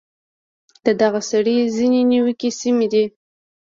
د دغه سړي ځینې نیوکې سمې دي.